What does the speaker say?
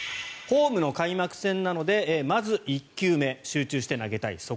ホームの開幕戦なのでまず１球目集中して投げたい。